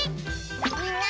みんな！